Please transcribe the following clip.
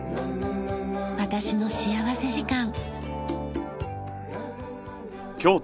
『私の幸福時間』。